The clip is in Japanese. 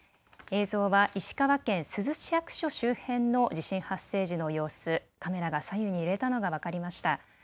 映像は石川県珠洲市役所周辺の地震発生時の様子、カメラが左右に揺れたのが分かりました。